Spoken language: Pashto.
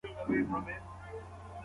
په قلم خط لیکل د لیکوال د زړه غږ دی.